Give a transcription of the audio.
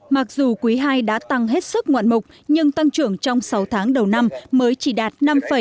mặc dù quý ii đã tăng hết sức ngoạn mục nhưng tăng trưởng trong sáu tháng đầu năm mới chỉ đạt năm bảy mươi ba